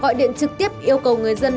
gọi điện trực tiếp yêu cầu người dân